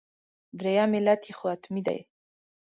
درېیم علت یې خو حتمي دی.